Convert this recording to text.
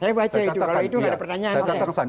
saya baca itu kalau itu nggak ada pertanyaan